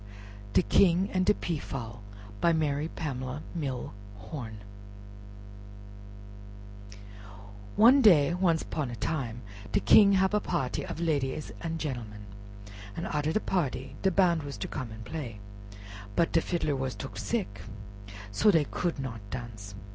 DE KING AND DE PEAFOWL By Mary Pamela Milne Horne One day once 'pon a time de King hab a party of ladies an' genelmen. An' arter de party, de band was ter come an' play. But de fiddler was took sick, so dey could not dance.